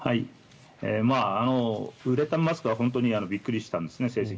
ウレタンマスクの成績は本当にびっくりしたんですね。